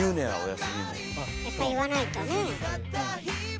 やっぱ言わないとね。